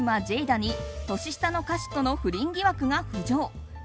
ジェイダに年下の歌手との不倫疑惑が浮上。